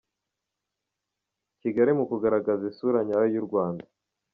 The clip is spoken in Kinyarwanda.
Kigali mu kugaragaza isura nyayo y’u Rwanda